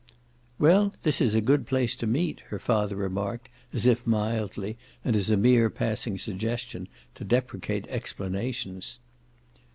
"Well, this is a good place to meet," her father remarked, as if mildly, and as a mere passing suggestion, to deprecate explanations.